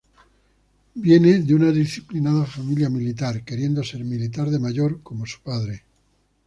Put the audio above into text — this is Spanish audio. Viene de una disciplinada familia militar, queriendo ser militar de mayor, como su padre.